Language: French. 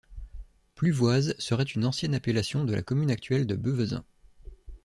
Pluvoise serait une ancienne appellation de la commune actuelle de Beuvezin.